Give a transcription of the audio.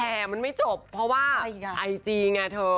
แต่มันไม่จบเพราะว่าไอจีไงเธอ